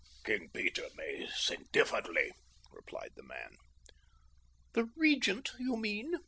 "King Peter may think differently," replied the man. "The Regent, you mean?"